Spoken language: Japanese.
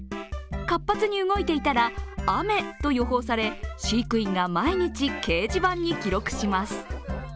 活発に動いていたら雨と予報され、飼育員が毎日掲示板に記録します。